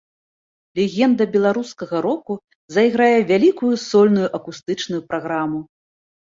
Легенда беларускага року зайграе вялікую сольную акустычную праграму.